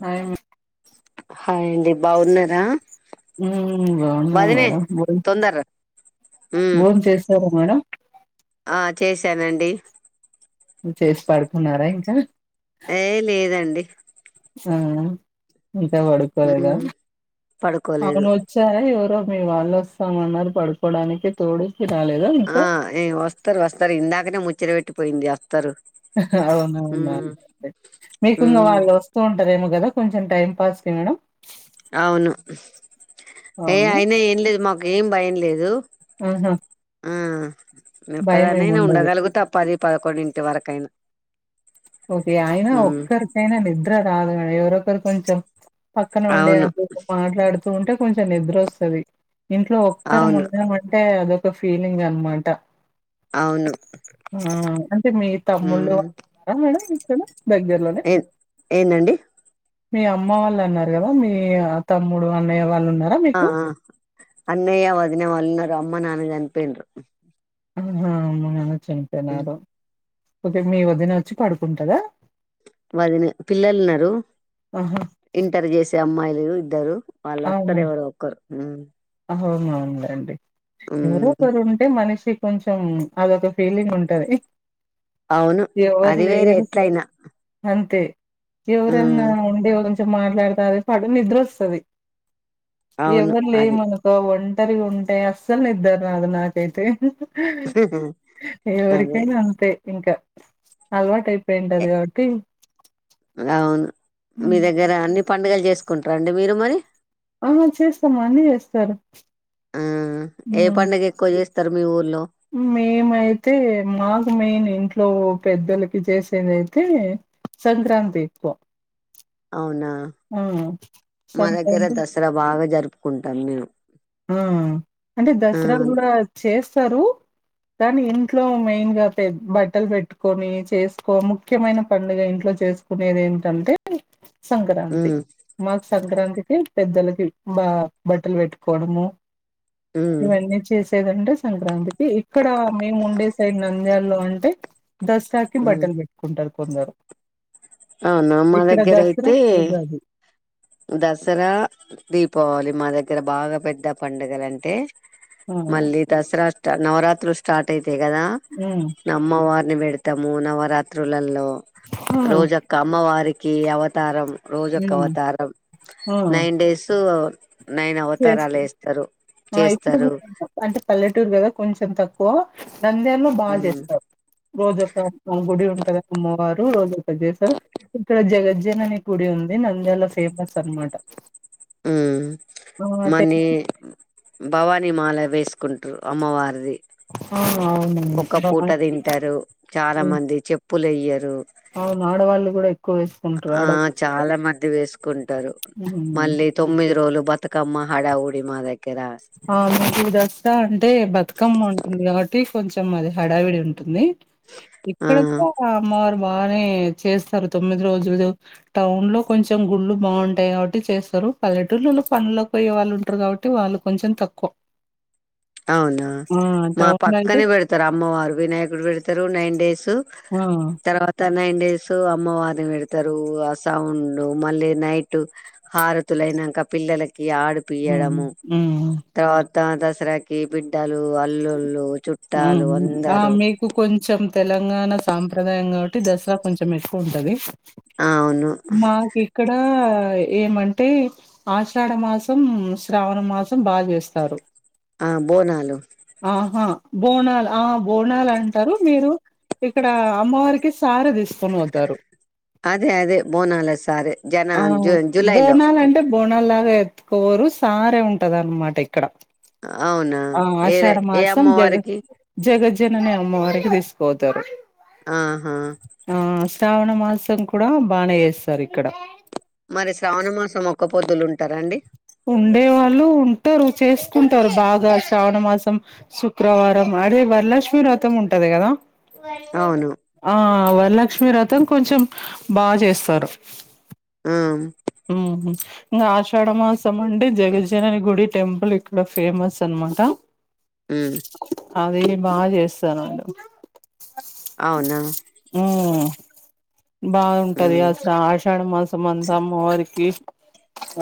Hi అండి hi అండి బాగున్నారా మ్ బాగున్నా వదినే మేడం భో తొందర్రా ఉమ్ బోన్ చేసరా మేడం ఆ చేసానండి చేసి పడుకున్నారా ఇంకా ఏ లేదండి ఆ ఇంకా పడుకోలేదా ఉమ్ పడుకోలేదు అవును వచ్చార ఎవరో మీ వాళ్ళు వస్తామన్నారు పడుకోవడానికి తోడు ఆ ఏ వస్తారు వస్తారు ఇందాకనే ముచ్చట పెెట్టిపోయింది వస్తారు ఉమ్ అవునవును మీకు ఇంగ ఉమ్ వాళ్ళు వస్తూ ఉంటారేమో కదా కొంచెం టైం పాస్ కి మేడం అవును ఏ అవునా? అయినా ఏం లేదు మాకు ఏం భయం లేదు ఆహా ని ఒక్కదనైనా భయమేముండదు. ఉండగలుగుత పదిపదకొండింటి వరకైనా ఓకే అయినా ఉమ్ ఒక్కరికైనా నిద్ర రాదుగ ఎవరొకరు కొంచెం పక్కనే ఉండి అవును అది మాట్లాడుతూ ఉంటే కొంచెం నిద్ర వస్తది ఇంట్లో ఒక్కరం అవును ఉన్నామంటే అదొక ఫీలింగ్ అనమాట అవును ఆ అంటే మీ తమ్ముళ్ళు అారా మేడం ఇక్కడ దగ్గరలోనే? ఏన్ ఏందండి మీ అమ్మ వాళ్ళు అన్నారు కదా మీ తమ్ముడు అన్నయ్య వాళ్ళు ఉన్ ఆ అన్నయ్య వదిన వాళ్ళునారు అమ్మ నాన్న చనిపోఇండ్రు ఆహా అమ్మ నాన్న చంపోియినార ఓకే మీ వద్దిన వచ్చి పడుకుంటాద వదినె పిల్లలున్నారు ఆహా! ఇంటర్ చేసే అమ్మాయిలు ఇద్దరు వాళ్ళు వస్తారు ఎవరో ఒక్కరు అవునులేండి ఎవరో ఉమ్ ఒకరు ఉంటే మనిషి కొంచం అదొక ఫీలింగ్ ఉంటది అవును అది వేరే ఎట్లైనా అంతే ఎవరన్నా ఉండే కొంచెం మాట్లాడుతె అద పాటు నిద్రోస్తది అవును ఎవరు లే అది మనుకో ఒంటరిగా ఉంటే అస్సలు నిద్దర్రదు నాకైతే అదే ఎవరికైనా అంతే ఇంకా అలవాటై పోయింటది కాబట్ ట్టి అవును మీ దగ్గర అన్ని పండుగలు చేసుకుంటార అండి మీరు మరి ఆ చేస్తాం అన్ని చేస్తారు మ్ త్తరు మీ ఉర్లో మేమైతే మాకు మేన్ ఇంట్ ట్లో పెద్దలకి చేసేదైతే సంక్రాంతి ఎక్కువ అవునా ఆ మా దగ్గర సంక్రాంతి దసరా బాగా జరుపుకుంటాం మేము ఆ అంటే ఆ దసరా కూడా చేస్తారు కాాని ఇంట్లో మెయిన్ గా పె బట్టలు పెట్టుకొని చేసుకో ముఖ్యమైన పండుగ ఇంట్లో చేసుకునేదెంటంటే సంక్రాంతి, ఉమ్ మాకు సంక్రాంతికి పెద్దలకి, బా బట్టలు పెట్టు. కొడము, ఉమ్ ఇవన్నీ చేసేదంటే సంక్రాంతి. ఇక్కడ, మేము ఉండే సైడ్ నంద్యల్లో అంటే దసరాకి ఉమ్ బట్టలు పెట్టుకుంటారు. కొందరు అవునా, మా ఇక్కడ దగ్గర దసరా అయితే. ఉగాది దసరా, దీపావళి మా దగ్గర బాగా, పెద్ద పండుగలు అంటే ఆ మళ్ళీ, దసరా స్ట నవరాత్రులు, స్టార్ట్ అయితే గదా హ్మ్ అమ్మవారు పెడతాము. నవరాత్రులలో ఆ రోజు ఒక్క అమ్మవారికి అవతారం. రోజుఒక్క హ్మ్ అవతారం ఆ నైన్ డేస్ నైన్ చేస్త అవతారాలు వేస్తారు అ ఇప్పుడు చేస్తారు అంటే పల్లెటూరు గదా, కొంచెం తక్కువ గో నంద్యలో బాగా ఉమ్ చేస్తారు. రోజు ఒక గుడి ఉంటది. అమ్మవారు రోజు ప్ర చేేశార్, ఇక్కడ జగజ్జనని గుడి ఉంది. నంధ్యానం ల ఫేమస్ అనమాట. ఆ ఉమ్ టెన్ భవానీ మాల వేసుకుంటరు. అమ్మవారిది ఆ అవునండి ఒక్క పూట బాగా తింటరు. చాలా హ్మ్. మంది చెప్పులు వేయ్యరు. అవును, ఆడ వాళ్ళలు గూడా ఇ ఎక్కువ వేసుకుంటారు ఆ చాలా మంది వేసుకుంటారు. హ్మ్. మళ్ళీ తొమ్మిది రోజులు బతుకమ్మ హడా వుడి మాదగ్గ అవును జూదాస్ అంటే బతుకమ్మ ఉంటుంది. కాబట్టి కొంచెం అది హడావిడి ఉంటుంది. ఆ ఇక్కడ, కూడా అమ్మవారు బాగానే చేస్తారు. తొమ్మిది రోజులు, టౌన్ లో కొంచెం గుళ్లు బాగుంటాయి. కాబట్టి చేస్తారు. పల్లెటూరులో పనుల్లో పోయే వాళ్ళు ఉంటారు. కాబట్టి వాళ్ళు కొంచెం తక్కువ అవునా ఆ మా టౌన్ లో అయితే పక్కనే పెడతరు. అమ్మవారు వినాయకుడు పెడతరు. నైన్ డేస్ ఉ కా నైన్ డేస్ అమ్మవారి ని పెడతారు ఆ సౌండ్ మళ్ళీ నైట్ హారతులన్ అయినాక పిల్లలకి ఆడు హ్మ్. పియడము, హ్మ్. తర్వాత దసరాకి బిడ్డ ఆ అందరూ మీకు కొంచెం, తెలంగాణ సాంప్రదాయం గాబట్టి అంటే దసరా కొంచెం ఎక్కువ ఉంటది ఆ, అవును మాకు ఇక్కడ ఏమంటే ఆషాఢ మాసం, శ్రావణ మాసం బాగా చేస్తారు. ఆ బోనాలు ఆహా బోనాల్ ఆ బోనాల్ అంటారు. మీరు ఇక్కడ, అమ్మవారికి సారే తిస్తకోనితారు. అదే అదే బోనాల సారే జనా ఆ! జు జు జూలైలో ఎత్కోపొరు సారే ఉంటద అన్మాట ఇక్కడ అవునా, ఏ ర- ఏ ఆషాడమాసం, జగ అమ్మవారికి జగజ్జనని అమ్మవారికి తీసుకోతారు. ఆహా శ్రావణ మాసం కూడా బానే చేస్తారు. ఇక్కడ మరి శ్రావణ మాసం, ఒక్క పొద్దులు ఉంటారా. అండి ఉండే వాళ్ళు ఉంటరు. చేసుకుంటరు. బాగా శ్రావణ మాసం శుక్రవారం. అరే వరలక్ష్మి వ్రతం ఉంటది. కదా! అవును ఆ వరలక్ష్మి వ్రతం కొంచెం బాగా చేస్తారు. మ్ ఉహు ఇంగా ఆషాఢ మాసం అండి, జగజనని గుడి టెంపుల్, ఇక్కడ ఫేమస్ అనమాట హు అది బాగా చేస్తారు. అవునా ఉమ్ బాగుంటది ఉమ్ అసలు ఆషాఢ మాసం అంతా అమ్మ వారికి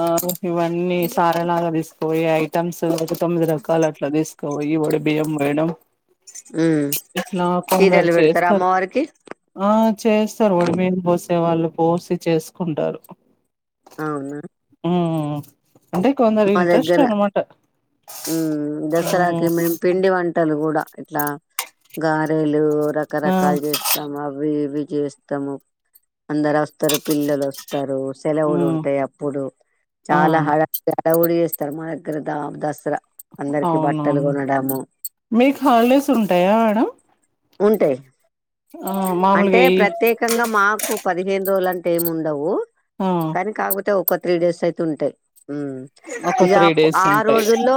ఆ ఇవన్నీ సారాలాగా తీసుకోయి, ఐటెమ్స్ ఒక తొమ్మిది రకాల అట్లా తీసుకో. పోయి ఒడి బియ్యం వేయ్యడం. ఉమ్ ఇట్లా కొందరు చీరలు పెడతారా చేస్తరు. అమ్మవారికి ఆ చేస్తారు ఒడిబియ్యం, పోసే వాళ్ళు పోసి చేసుకుంటారు. అవునా ఉ అంటే కొందరు ఇంట్రెస్ట్ అనమాట. ఉ దసరాకి, ఉమ్ మేము పిండి వంటలు గూడా ఇట్లా గారేలు. ఆ రకరకాలు చేస్తాము అవి ఇవి చేస్తాము అందరు వస్తారు. పిల్లలు వస్తారు. సెలవులు ఉమ్ ఉంటయి అప్పుడు ఆ చాలా హడవుడిఎస్త. తర్మనగ్గర దమ్ దాస్ ఇలా అందరికి బట్టలు అవునవును కొనడము మీకు హాలిడేస్ ఉంటాయా మేడం ఉంటాయి ఆ అంటే మామూలుగా ఈ ప్రత్యేకంగా మాకు పదిహేను రోజుల అంటే ఏమి ఉండవు ఆ కానీ కాకపోతే ఒక త్రీ డేస్ అయితే ఉంటాయి మ్మ్ ఒక ఇక త్రీ అప్ డేస్ ఆ ఉంటాయి రోజు రోజుల్లో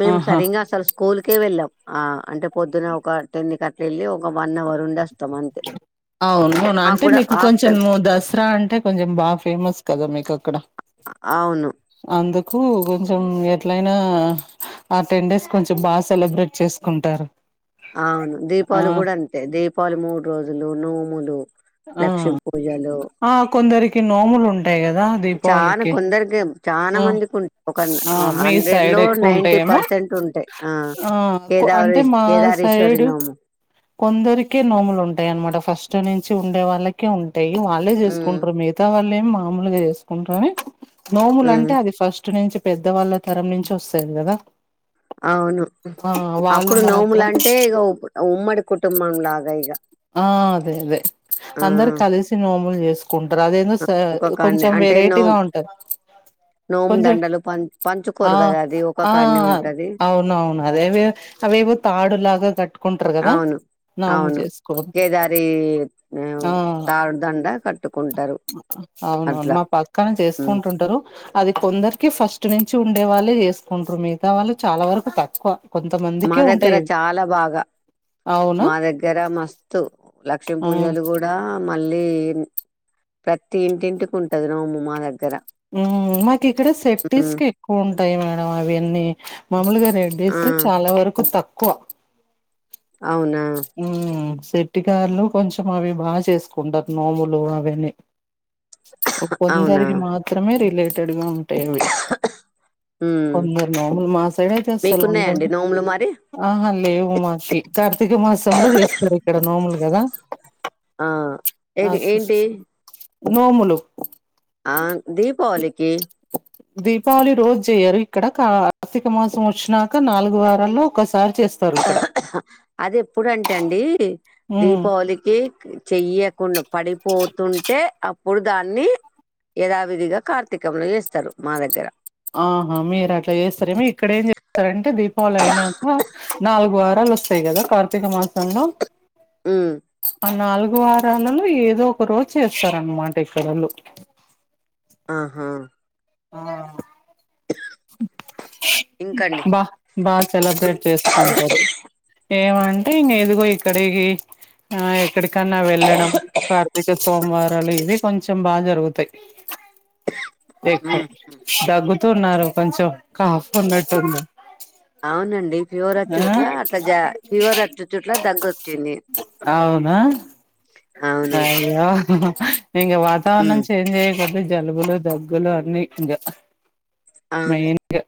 మేము ఆహా సరింగా అసలు స్కూల్కే వెళ్ళాం ఆ అంటే పొద్దున ఒక టెన్ కి అట్ల వెళ్ళి ఒక వన్ అవర్ ఉండి వస్తాం అంతే అవును మాకు అంటే కూడా మీకు హాఫ్ కొంచెం టైమ్ దసరా అంటే కొంచెం బాగా ఫేమస్ కదా మీకు అక్కడ అవును అందుకు కొంచెం ఎట్లయినా ఆ టెన్ డేస్ కొంచెం బాగా సెలబ్రేట్ చేసుకుంటారు అవును ఆ దీపావళి కూడా అంతే దీపావళి మూడు రోజులు నోములు ఆ లక్ష్మి పూజలో ఆ కొందరికి నోములు ఉంటాయి కదా చానా దీపావళికి కొందరికి చానా మందికి ఉం ఒక ఆ మీ హండ్రెడ్ సైడ్ లో ఎక్కువ నైన్టీ ఉంటాయేమో పర్సెంట్ ఉంటాయి. ఆ అంటే కేదావరి మా కేదారేశ్వరి సైడు నోము కొందరికే నోములు ఉంటాయి అన్నమాట ఫస్ట్ నుంచి ఉండే వాళ్ళకే ఉం వాళ్ళే ఉమ్ చేసుకుంటారు మిగతా వాళ్ళేమి మామూలుగా చేసుకుంటారు నోములు ఉమ్ అంటే అది ఫస్ట్ నుంచి పెద్దవాళ్ళ తరం నుంచి ఒస్తది కదా అవును ఆ వాళ్ళు అప్పుడు నోముల మాత్రం అంటే ఇగ ఉమ్మడి కుటుంబం లాగా ఇగ ఆ అదే అదే ఆ అందరు కలిసి నోములు చేసు ఆ! ఒక కాన్నే కొంచెం అంటే నో వెరైటీగా ఉంటాది నోము కొంచెం దండలు పం ఆ పంచుకోరు కదా అది ఒక ఆ కాన్నే ఉంటది అవును అవును అదేదే అవేవో తాడు లాగా కట్టుకుంటారు కదా అవును నాము అవును చేస్ కేదారి తాడుదండ కట్టుకుంటారు అవునవును అట్లా మా పక్కన హ్మ్. చేసుకుంటుంటారు అది కొందరికి ఫస్ట్ టు నేంచు ఉండే వాళ్ళే జేసుకుంటారు మిగతా వాళ్ళు చాలా వరకు తక్కువ మా కొంతమందికే దగ్గర ఉంటాయి అవి. చాలా బాగా అవునా మా దగ్గర మస్తు లక్ష్మీ ఆ పూజలు కూడా మళ్ళీ ప్రతి ఇంటింటికి ఉంటాది నోము మా దాం మాకి ఇక్కడ సెట్టిస్ ఉమ్ కి ఎక్కువ ఉంటాయి మేడం అవన్నీ మామూలు గా ఆ డేస్ చాలా వరకు తక్కువ అవునా శెట్టికారులు కొంచెం అవి బాగా చేసుకుంటారు నోములు అవని అవునా కొందరికి మాత్రమే రిలేటెడ్ గా ఉంటాయి అవి ఉమ్ కొందరు నొములు మా సైడ్ చేస్తారు మీకున్నాయండి నోములు మరి [unintelligible] మాకి కార్తీక మాసంలో చేస్తారు ఇక్కడ నోములు కదా ఆ ఆ [unintelligible] ఏంటి నోములు ఆ దీపావళికి దీపావళి రోజు చేయరు ఇక్కడ కార్తీక మాసం వచ్చినాక నాలుగు వారల్లో ఒకసా అది ఎప్పుడంటే అండి ఉమ్ దీపావళికి చెయ్ పడిపోతుంటే అప్పుడు దాన్ని యధావిధిగా కార్తీకంలో చేస్తారు మా దగ్గర ఆహా మీరు అట్లా చేస్తారేమో ఇక్కడ ఏం చేస్తారంటే దీపావళి అయినాక నాలుగు వారాలు వస్తాయి కదా కార్తీక మాసంలో మ్మ్ నాలుగు వారాలలో ఏదో ఒక రోజు చేస్తారనమాట ఇక్కడొళ్ళు ఆహా ఆ ఇంకండి బా బా సెలబ్రేట్ చేసుకుంటారు ఏమ అంటే ఇంకా ఇదిగో ఇక్కడికి ఆ ఎక్కడికన్నా వెళ్ళడం కార్తీక సోమవారం లు ఇవి కొంచెం బాగా జరుగుతాయి ఎక్కువ ఉమ్ ఉమ్. దగు తున్నారు కొంచెం కాఫ్ ఉన్నట్టుంది అవునండి ఫీవరచుట్ల ఆ అట్లా జా ఫివర్ అట్ చుట్ల తగ్గొచ్చింది. అవునా అయ్య ఇంక వాతావరణం ఉమ్ చేంజ్ అయ్యోకొద్ది జలుబులు దగ్గులు అన్ని ఇంకా అవును మెయిన్ గా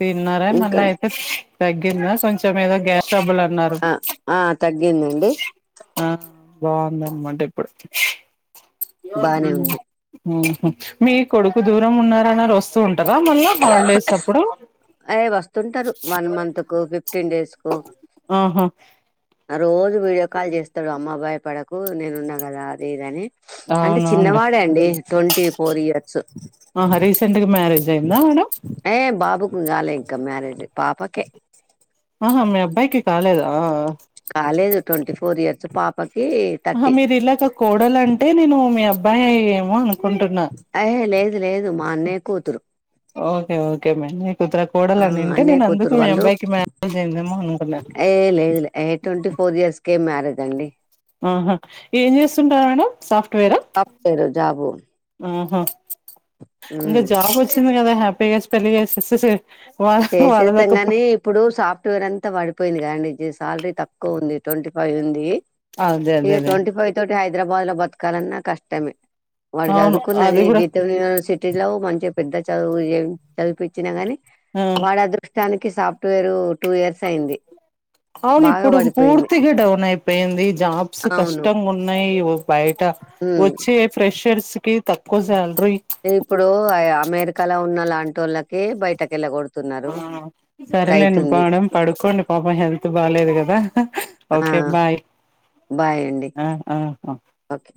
తన్నారా మళ్ళ ఇంకా అయితే తగ్గిందా కొంచెం ఏదో గ్యా ఆ ఆ తగ్గిందండి ఆ బాగుందనమాట ఇప్పుడు బానే ఉంది మీ కొడుకు దూరం ఉన్నార అన్నారు వస్తూ ఉంటారా మళ్ళా హాలిడేస్ అప్పుడు అదే వస్తుంటారు వన్ మంత్ కొ ఫిఫ్టీన్ డేస్ కొ ఆహా రోజు వీడియో కాల్ చేస్తాడు అమ్మా భయ పడకు నేను ఉన్నా కదా అది ఇది అని అంటే అవునవునులే చిన్నవాడే అండి ట్వంటీ ఫోర్ ఇయర్స్ ఆహా రీసెంట్ గా మ్యారేజ్ అయిందా మేడం ఏ బాబుకి ఇంకా కాలే ఇంకా మ్యారేజ్ పాపకే ఉహు మీ అబ్బాయికి కాలేదా లేదు ట్వంటీ ఫోర్ ఇయర్స్ పాప ఆహ మీరు ఇలాక కోడలు అంటే నేను మీ అబ్బాయి ఏమో అనుకు ున్నా అహే లేదు లేదు మా అన్నయ్య కూతురు ఓకేఓకే మ కుతర ఆ కోడాలనింటే నేను అన్నయ్య అందుకు కూతురు మీ వాళ్ళు అబ్బాయికి మ్యారేజ్ అయిందేమో అనుకున్నాను ఏ లేదులే ఏ ట్వంటీ ఫోర్ ఇయర్స్కేమ్ మ్యారేజ్ అండి ఆహా ఏం చేస్తుంటారు మేడం సాఫ్ట్వేరా సాఫ్ట్వేర్ జాబు ఉ ఇంకా ఉమ్ జాబ్ వచ్చింది కదా హ్యాపీగా పెళ్లిస్ చేసేస్తాం నీ ఇప్పుడు సాఫ్ట్వేర్ అంతా పడిపోయింది కాండి ఇ శాలరీ తక్కువ ఉంది ట్వంటీ ఫైవ్ ఉంది అదే ఇక అదే అదే ట్వంటీ ఫైవ్ తోటి హైదరాబాద్ లో బతకాలన్నా కష్టమే వాళ్ళు అవును చదువుకున్నది అది కూడా గీత యని సిటీ లో మంచి పెద్ద చదువు చదిపించినా గాని ఆ వాడ అదృష్టానికి సాఫ్ట్వేరు టూ ఇయర్స్ అయింది అవును బాగా ఇప్పుడు పడిపోయింది పూర్తిగా డౌన్ అయిపోయింది జాబ్స్ అవును కష్టంగా ఉన్నాయి బయట ఉమ్ వచ్చే ప్రెషర్స్ కి తక్కువ చాల ఇప్పుడు అమెరికాలో ఉన్న లాంటి వాళ్ళకి బయటకి వెళ్ళకూడదు ఆ సరేలేండి పాడం పడుకోండి పాపం హెల్త్ బాగాలేదు కదా ఆ ఓకే బాయ్ బాయ్ అండి ఆ ఆ ఓకే